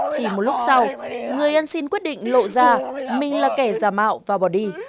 chỉ một lúc sau người anh xin quyết định lộ ra mình là kẻ giả mạo và bò đi